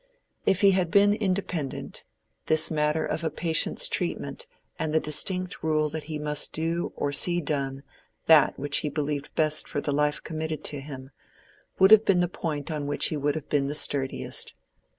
If he had been independent, this matter of a patient's treatment and the distinct rule that he must do or see done that which he believed best for the life committed to him, would have been the point on which he would have been the sturdiest.